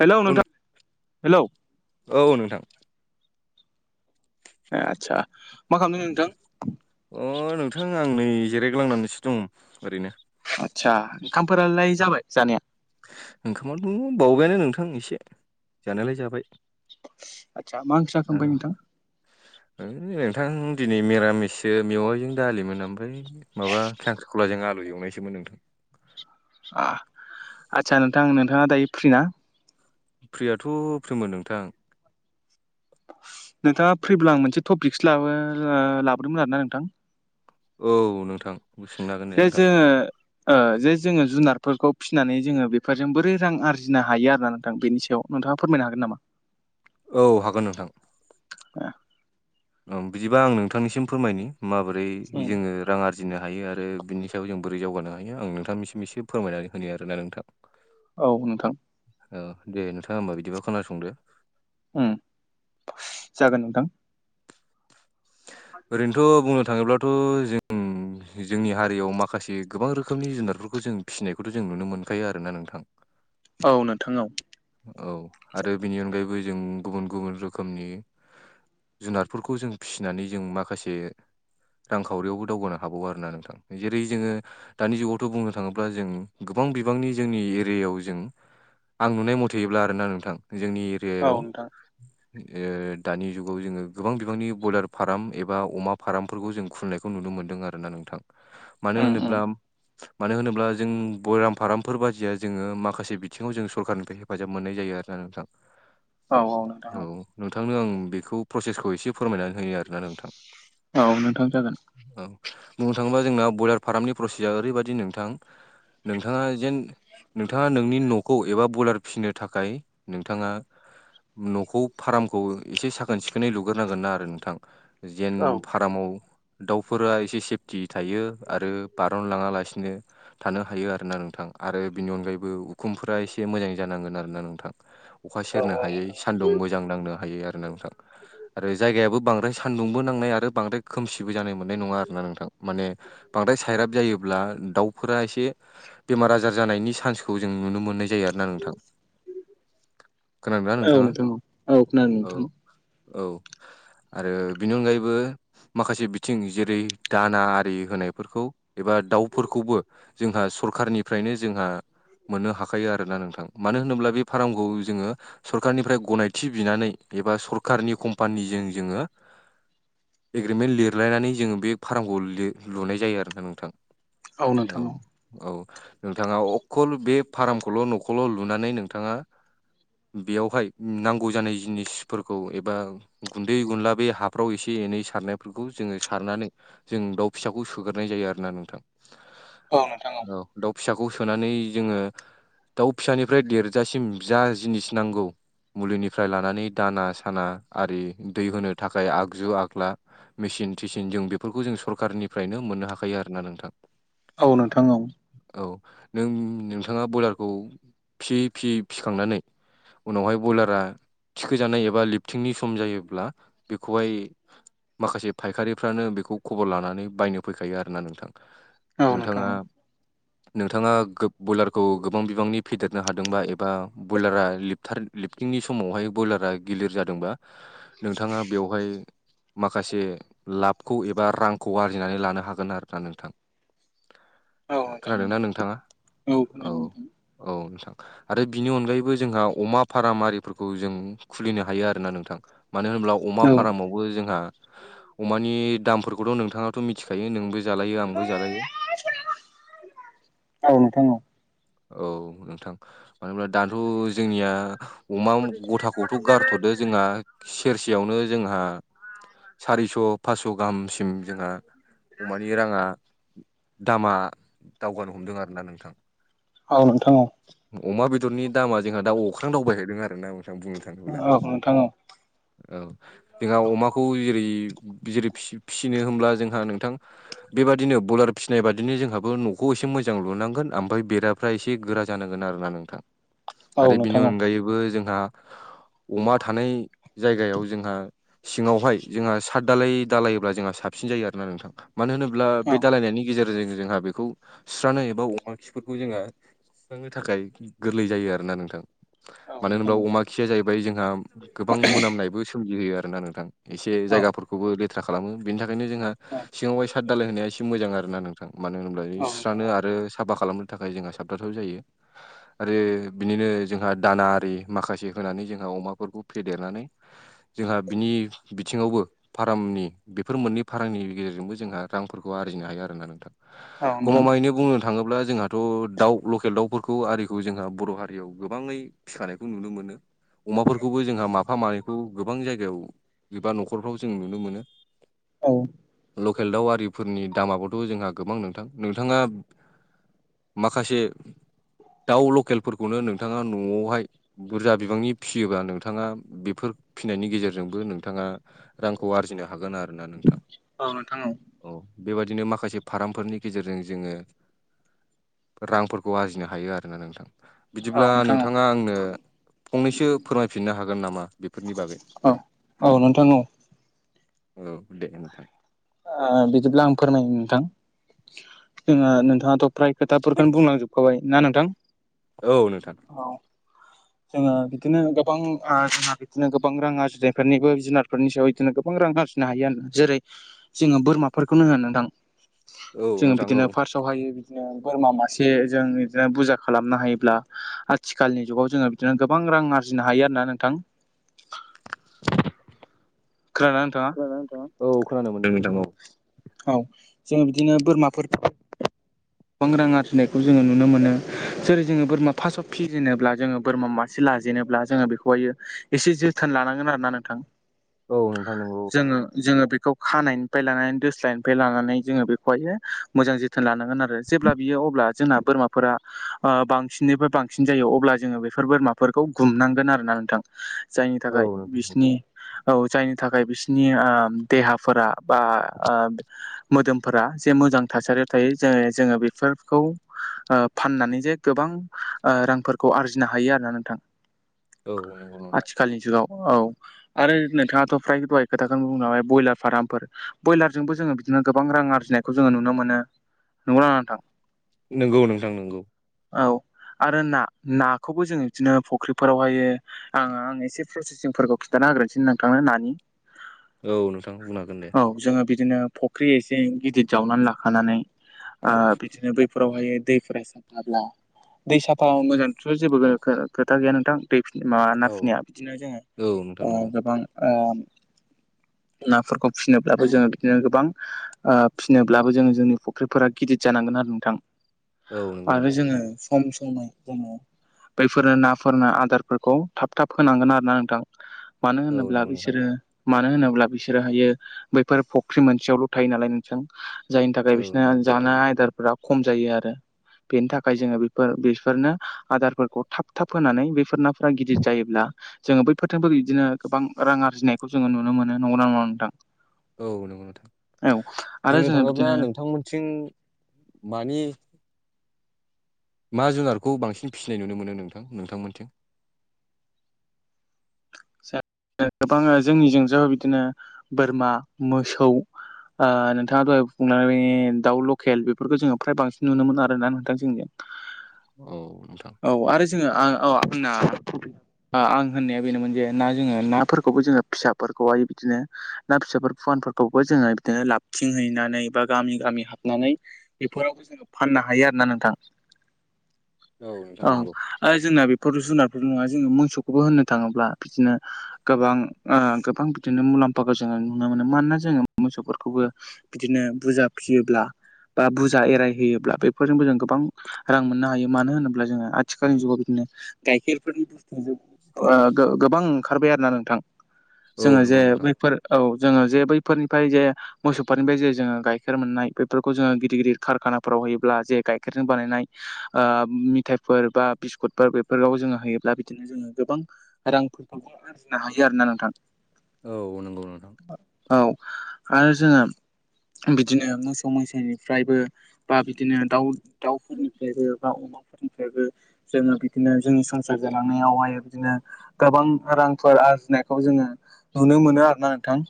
Hello हेल' नों नोंथां hello औ नोंथां ए आतसा मा खालामदों नोंथां अ नोंथां आं नै जिरायग्लांनानैसो दं ओरैनो आदसा ओंखामफोरालाय जाबाय जानाया? ओंखामाथ' बावबायानो नोंथां एसे जानायलाय जाबाय। आदसा मा‌ ओंख्रि जाखो ओमफाय नोंथां? ओइ नोंथां दिनै मिरामिससो मेवाइजों दालिमोन ओमफ्राय माबा खांख्रिखलाजों आलु एवनायसोमोन नोंथां। आ आदसा नोंथां नोंथाङा दायो फ्रि ना? फ्रियाथ' फ्रिमोन नोंथां। नोंथाङा फ्रिब्ला आं मोनसे टपिकसो लाबो ओ लाबोदोंमोन आरोना नोंथां। औ नोंथां सोंनो हागोन दे जे नोंथां जोङो ओ जे जोङो जुनारफोरखौ फिनानै जोङो बेफोरजों बोरै रां आरजिनो हायो आरो ना नोंथां बेनि सायाव नोंथाङा फोरमायनो हागोन नामा? औ हागोन नोंथां। ओम बिदिबा आं नोंथांनिसिम फोरमायनि माबोरै जोङो रां आरजिनो हायो आरो बिनि सायाव जों बोरै जौगानो हायो आं नोंथांनिसिम एसे फोरमायनानै होनो आरोना नोंथां औ नोंथां औ दे नोंथाङा होमबा बिदिबा खोनासंदो। उम जागोन नोंथां। ओरैनोथ' बुंनो थाङोब्लाथ' जों जोंनि हारियाव माखासे गोबां रोखोमनि जुनारफोरखौ जों फिसिनायखौथ' जों नुनो मोनखायो आरोना नोंथां औ नोंथां औ औ आरो बेनि अनगायैबो जों गुबुन गुबुन रोखोमनि जुनारफोरखौ जों फिसिनानै जों माखासे रांखावरियावबो दावगानो हाबावो आरोना नोंथां जेरै जोङो दानि जुगावथ' बुंनो थाङोब्ला जों गोबां बिबांनि जोंनि एरियायाव जों आं नुनाय मथ थेयोब्ला आरोना नोंथां जोंनि औ एरियायाव ओ दानि जुगाव जोङो गोबां बिबांनि बयलार फार्म एबा अमा फार्मफोरखौ जों खुलिनायखौ नुनो मोन्दों आरोना नोंथां मानो होनोब्ला मानो होनोब्ला जों बयराम फारामफोर बायदिया जोङो माखासे बिथिङाव जों सरखारनिफ्राय हेफ फाजाब मोननाय जायो आरोना नोंथां औ नोंथांनो आं बेखौ प्रसेसखौ एसे फोरमायनानै होयो आरोना नोंथां औ नोंथां जागोन औ बुंनो थाङोब्ला जोंना ब्रयलार फार्मनि प्रसेसआ ओरैबायदि नोंथां नोंथाङा जेन नोंथाङा नोंनि न'खौ एबा बयलार फिनो थाखाय नोंथाङा न'खौ फार्मखौ एसे साखोन सिखोनै लुग्रोनांगोन ना आरो नोंथां जेन फारामाव दाउफोरा एसे सेफटि थायो आरो बारनलाङा लासिनो थानो हायो आरोना नोंथां आरो बिनि अनगायैबो उखुमफोरा एसे मोजां जानांगोन आरोना नोंथां अखा औ सेरनो औ हायै नोंथां सान्दुं मोजां नांनो हायै आरो ना नोंथां आरो जायगायाबो बांद्राय सानदुंबो नांनाय आरो बांद्राय खोमसिबो जानो मोननाय नङा आरो ना नोंथां माने बांद्राय साइराब जायोब्ला दाउफोरा एसे बेमार आजार जानायनि चान्सखौ जों नुनो मोननाय जायो आरोना नोंथां। खोनादोंना औ नोंथाङा नोंथां औ नोंथां। औ औ आरो बेनि अनगायैबो माखासे बिथिं जेरै दाना आरि होनायफोरखौ एबा दाउफोरखौबो जोंहा सरखारनिफ्रायनो जोंहा मोननो हाखायो आरोना नोंथां। मानो होनोब्ला बे फार्मखौ जोङो सरखारारनिफ्राय गनायथि बिनानै एबा सरखारारनि कम्पानिजों जोङो एग्रिमेन्ट लिरलायनानै जोङो बे फार्मखौ लुनाय जायो आरोना नोंथां। औ औ नोंथाङा अखल बे फार्मखौल' न'खर ल' लुनानै नोंथाङा बेयावहाय नांगौ जानाय जिनिसफोरखौ एबा गुन्दै गुला बे हाफ्राव एसे एनै सारनायफोरखौ जोंङो सारनानै जों दाउ फिसाखौ सोगोरनाय जायो आरोना नोंथां। औ नोंथां औ। दाउ फिसाखौ सोनानै जोंङो दाउ फिसानिफ्राय देरजासिम जा जिनिस नांगौ। मुलिनिफ्राय लानानै दाना साना आरि दै होनो थाखाय आगजु आग्ला मेसिन थिसिन जों बेफोरखौ जों सरखारनिफ्रायनो मोननो हाखायो आरो ना नोंथां। औ नोंथां औ। औ नों नोंथाङा ब्रयलारखौ फिसियै फिसियै फिखांनानै उनावहाय बयलारा थिखोजानाय एबा लिफथिंनि सम जायोब्ला बेखौहाय माखासे फायखारिफ्रानो बेखौ खबर लानानै बायनो फैखायो आरोना नोंथां। औ नोंथां नोंथाङा औ नोंथाङा बयलारखौ गोबां बिबांनि फेदेरनो हादोंबा एबा ब्रयलारा लिथार लिपटिंनि समावहाय ब्रयलारा गिलिर जादोंबा नोंथाङा बेवहाय माखासे लाबखौ एबा रांखौ आर्जिनानै लानो हागोन आरोना नोंथां। औ खोनादोंना नोंथाङा नोंथां औ। औ नोंथां। आरो बिनि अनगायैबो जोंहा अमा फार्म आरिफोरखौ जों खुलिनो हायो आरोना नोंथां। मानो होनब्ला अमा औ फार्मावबो जोंहा अमानि दामफोरखौथ' नोंथाङाथ' मिथिखायो नोंबो जालायो आंबो जालायो। [unintelligible] औ नोंथां औ। औ नोंथां मानो होनब्ला दाथ' जोंनिया अमा गथाखौथ' गारथ'दो जोंहा सेरसेयावनो जोंहा सारिस' फास्स' गाहामसिम जोंहा अमानि राङा दामा दावगानो हमदों आरोना नोंथां। औ नोंथां औ। अमा बेदरनि दामा जोंहा दा अख्रां दावबायहैदों आरो नोंथां बुंनो थाङोब्ला औ नोंथां औ। औ जोंहा अमाखौ जेरै जेरै फिसि फिसिनो होमब्ला जोंहा नोंथां बेबायदिनो बलार फिसिनाय बादिनो जोंहाबो न'खौ एसे मोजां लुनांगोन ओमफ्राय बेरा फ्रा एसे गोरा जानांगोन आरोना नोंथां औ नोंथां औ नोंथां औ आरो बिनि नोंथां औ नोंथां औ नोंथां अनगायै बो जोंहा अमा थानाय जायगायाव जोंहा सिङावहाय जोंहा साद दालाय दालायोब्ला जोंहा साबसिन जायो आरोना नोंथां मानो होनोब्ला बे दालायनायनि गेजेरजों जोंहा बे खौ सुस्रनानैबा अमा खिफोरखौ जोंङो थिखांनो थाखाय गोरलै जायो आरो ना नोंथां। मानो होनोब्ला अमा खिया जाहैबाय जोंहा गोबां मोनामनायबो सोमजिहोयो आरोना नोंथां। एसे औ जायगाफोरखौबो लेथ्रा खालामो बेनि थाखायनो जोंहा सिङावहाय साद दालाय होनाया एसे मोजां आरो ना नोंथां मानो होनोब्ला सुस्रानो आरो साफा खालामनो। नि थाखाय जोंहा साबदाथाव जायो आरो बिदिनो जोंहा दाना आरि माखासे होनानै जोंहा अमाफोरखौ फेदेरनानै जोंहा बिनि बिथिङावबो फार्मनि बेफोर मोननै फार्नि गेजेरजोंबो जोंहा रांफोरखौ आरजिनो हायो आरोना नोंथां गमामायैनो बुंनो थाङोब्ला जोंहाथ' दाउ लकेल दाउफोरखौ आरिखौ जोंहा बर' हारियाव गोबाङै फिखानायखौ नुनो मोनो। अमाफोरखौबो जोंहा माफा मानैखौ गोबां जायगायाव एबा न'खरफ्राव जों नुनो मोनो। औ। लकेल दाउ आरिफोरनि दामाबोथ' जोंहा गोबां नोंथां नोंथाङा माखासे दाउ लकेलफोरखौनो नोंथाङा न'आवहाय बुरजा बिबांनि फिसियोबा नोंथाङा बेफोर फिनायनि गेजेरजोंबो नोंथाङा रांखौ आरजिनो हागोन आरो ना नोंथां औ बेबायाददिनो माखासे फार्मफोरनि गेजेरजों जोङो रां ग आरजिनो हायो आरोना नोंथां बिदिब्ला नोंथाङा आंनो फंनैसो फोरमायफिननो हागोन नामा बेफोरनि बागै औ औ नोंथां औ औ दे नोंथां बिदिब्ला आं फोरमायो नोंथां जोङो नोंथाङाथ' फ्राय खोथाफोरखौनो बुंलांजोब खबाय ना नोंथां औ नोंथां औ जोङो बिदिनो गोबां जोंहा बिदिनो गोबां रां आरजिनायफोरनिबो जुनार नि सायाव बिदिनो गोबां रां आरजिनो हायो आरोोना जेरै जोङो बोरमाफोरखौनो होनदां औ जोङो नोंथां औ बिदिनो फार्स्ट सहायो बिदिनो बोरमा मासे जों बिदिनो बुरजा खालामनो हायोब्ला आथिखालनि जुगाव जोङो बिदिनो गोबां रां आरजिनो हायो आरोोना नोंथां [inaudible] खोना ना नोंथाङा नोंथाङ औ खोनानो मोनदों नोंथां औ औ जोङो बिदिनो बोरमाफोरखौ गोबां रां आरजिनायखौ जोङो नुनो मोनो जेरै जोङो बोरमा फार्स्टआव फिजेनोब्ला जोङो बोरमा मासे लाजेनोब्ला जोङो बेखौहायो एसे जोथोन लानांगोन आरो ना नोंथां औ नोंथां नंगौ जोङो जोङो बेखौ खानायनिफ्राय लानानै द निफ्राय लानानै जोङो बेखौहाय मोजां जोथोन लानांगोन आरो जेब्ला बियो अब्ला जोंना बोरमा फोर बांसिननिफ्राय बांसिन जायो अब्ला जोङो बेफोर बोरमाफोरखौ गुमनांगोन आरो ना नोंथां जायनि औ थाखाय नोंथां बिसनि औ जायनि थाखाय बिसनि देहाफोरा बा मोदोमफोरा जे मोजां थासारियाव थायो ज जोङो बेफोरखौ फाननानै जे गोबां रांफोरखौ आरजिनो हायो आरोना नोंथां औ नंगौ नंथां आथिखालनि जुगाव औ आरो नोंथाङाथ' फ्राय दहाय खोथाखौनो बुं नाय ब्रयलार फार्मफोर ब्रयलारजोंबो जोङो बिदिनो गोबां रां आर्जिनायखौ जोङो नुनो मोनो नंगौना नोंथां नंगौ नोंथां नोंगौ औ आरो ना नाखौबो जोङो बिदिनो फुख्रिफोरावहायो आं आं एसे प्रसेसिंफोरखौ खिन्थान होग्रोसै नोंथांनो नानि औ नोंथां बुंनो हागोन दे औ जोङो बिदिनो फुख्रि एसे गिदिर जावनानै लाखानानै बिदिनो बैफोराव ओमायो दैफोरा साफाब्ला दै साफा मोजांथ' जेबो खोथा गैया नोंथां दै माबा ना औ फिनाया बिदिनो जोङो औ नोंथां नंगौ गोबां ओ नाफोरखौ फिसिनो बो जोङो बिदिनो गोबां फिसिनोब्लाबो जोङो जोंनि फुख्रिफोरा गिदिर जानांगोन आरो नोंथां औ नंगौ आरो नोंथां जोङो सम समै जोङो बैफोरनो नाफोरनो आदारफोरखौ थाब थाब होनांगोन आरो ना नोंथां मानो औ होनोब्ला नंगौ नोंथां बिसोरो मानो होनोब्ला बिसोरोहायो बैफोर फख्रि मोनसेयावल' थायो नालाय नोंसो जायनि थाखाय औ बिसोरना नंगौ नोंथां जानाय आयदारफोराव खम जायो आरो बेनि थाखाय जोङो बेफोर बेफोरनो आदारफोरखौ थाब थाब होनानै बेफोर नाफोरा गिदिर जायोब्ला जोङो बैफोरजोंबो बिदिनो गोबां रां आरजिनायखौ जोङो नुनो मोनो नंगौना नङा नोंथां औ नंगौ नथां औ आरो बुंनो जोङो थाङोब्ला बिदिनो नोंथांमोनथिं मानि मा जुनारखौ बांसिन फिसिनाय नुनो मोनो नोंथां नोंथांमोनथिं जों गोबां जोंनिजों जाय बिदिनो बोरमा मोसौ ओ नोंथाङा दहाय बुंनानै दाउ लकेल बेफोरखौ जोङो फ्राय बांसिन नुनो मोन आरोना नोंथां जोंनि आ औ नोंथां औ आरो जोङो आ औ आंना आं होननाया बेनोमोन जे ना जोङो नाफोरखौबो जोङो फिसाफोरखौहाय बिदिनो ना फिसाफोर फुवानफोरखौबो जोङो बिदिनो लाबथिंहैनानै बा गामि गामि हाबनानै बेफोरावबो जोङो फाननो हायो आरोना नोंथाङा औ नोंथां नंगौ औ जोंना बेफोर जुनारफोरल' नङा जोङो मोसौखौबो होननो थाङोब्ला बिदिनो गोबां ओ गोबां बिदिनो मुलाम्फाखौ जों नुनो मोनो मानोना जोङो मोसौफोरखौबो बिदिनो बुरजा फिसियोब्ला बा बुरजा एरायहयोब्ला बेफोरजोंबो जों गोबां रां मोननो हायो मानो होनोब्ला ब्ला जोङो आथिखालनि जुगाव बिदिनो गाइखेरफोरनि बुस्थुआ ज गोबां ओंखारबाय आरोना नोंथां औ जोङो नंगौ जे नोंथां बैफोर औ जोङो जे बैफोरनिफ्राय जे मोसौफोरनिफ्राय जे जोङो गाइखेर मोननाय बेफोरखौ जोङो गिदिर गिदिर कारखानाफोराव होयोब्ला जे गाइखेरजों बानायनाय ओ फिथाइफोर बा बिस्कुटफोर बेफोरखौ जोङो होयोब्ला बिदिनो जोङो गोबां रांफोरखौ आरजिनो हायो आरोना नोंथां औ नंगौ नोंथां औ आरो जोङो बिदिनो मोसौ मैसोनिफ्रायबो बा बिदिनो दाउ दाउफोरनिफ्रायबो बा अमाफोरनिफ्रायबो जोङो बिदिनो जोंनि संसार जालांनायावहाय बिदिनो गोबां रांफोर आरजिनायखौ जोङो नुनो मोनो आरोना नोंथां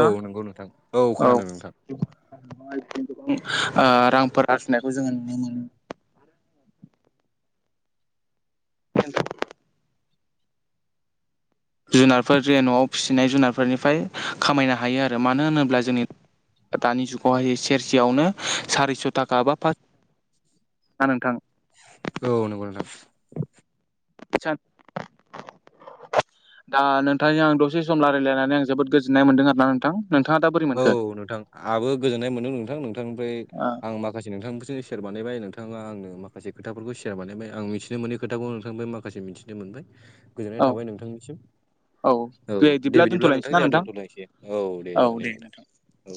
औ नंगौ नोंथां औ खोनादों नोंथां औनो गोबां रांफोर आरजिनायखौ जोङो नुनो मोनो [unintelligible] जुनारफोर जे न'आव फिसिनाय जुनारफोरनिफ्राय खामायनो हायो आरो मानो होनोब्ला जोंनि दानि जुगावहाय सेरसेयावनो सारिस' थाखा बा पास हा नोंथां औ नांगौ नोंथां आटसा दा नोंथांजों आं दसे सम रायलायनानै आं जोबोद गोजोननाय मोनदों आरोना नोंथां नोंथाङा दा बोरै औ मोनखो? नोंथां आहाबो गोजोननाय मोनदों नोंथां नोंथांनिफ्राय आं माखासे नोंथांनि सेयार बानायबाय नोंथाङा आंनो माखासे खोथाफोरखौ सेयार बानायबाय आं मिथिनो मोनै खोथाखौ नोंथांनिफ्राय माखासे मिथि मोनबाय [inaudible] गोजोननाय थाबाय नोंथांनिसिम औ दे बिदिब्ला नोंथां जेहा दोन्थ'लांसै औ दे जागोन दे नोंथां औ